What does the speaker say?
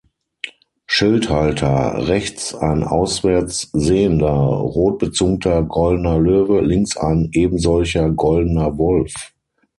Schildhalter: Rechts ein auswärts sehender, rotbezungter goldener Löwe, links ein ebensolcher goldener Wolf.